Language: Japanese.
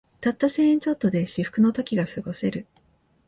たった千円ちょっとで至福の時がすごせる